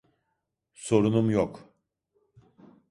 Sorunum yok.